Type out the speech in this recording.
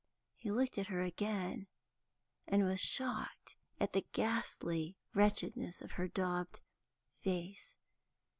He looked at her again, and was shocked at the ghastly wretchedness of her daubed face.